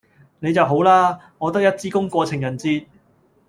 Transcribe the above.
你就好啦！我得一支公過情人節